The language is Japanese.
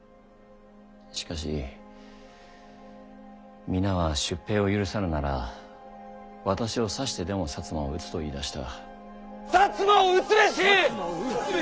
しかし皆は出兵を許さぬなら私を刺してでも摩を討つと言いだした。